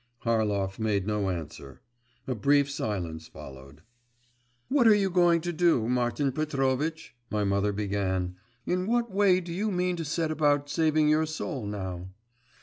Harlov made no answer. A brief silence followed. 'What are you going to do, Martin Petrovitch,' my mother began, 'in what way do you mean to set about saving your soul now?